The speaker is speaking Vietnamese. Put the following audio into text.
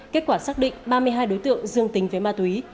kết quả xác định ba mươi hai đối tượng dương tính với ma túy